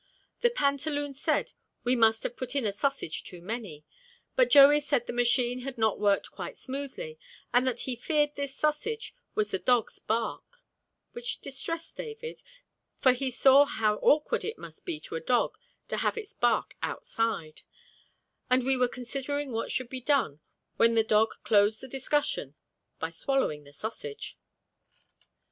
The pantaloon said we must have put in a sausage too many, but Joey said the machine had not worked quite smoothly and that he feared this sausage was the dog's bark, which distressed David, for he saw how awkward it must be to a dog to have its bark outside, and we were considering what should be done when the dog closed the discussion by swallowing the sausage.